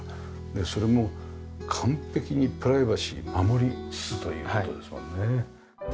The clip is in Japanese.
でそれも完璧にプライバシーを守りつつという事ですもんね。